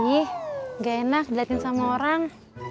ih gak enak dilihatin sama orang